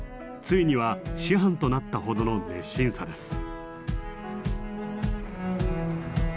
ついには師範となったほどの熱心さです。